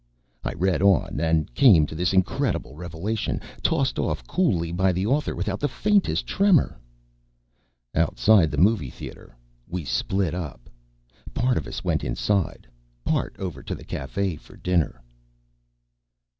I read on. And came to this incredible revelation, tossed off coolly by the author without the faintest tremor: _... outside the movie theater we split up. Part of us went inside, part over to the cafe for dinner.